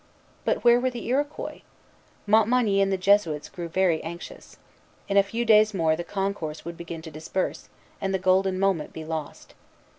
But where were the Iroquois? Montmagny and the Jesuits grew very anxious. In a few days more the concourse would begin to disperse, and the golden moment be lost.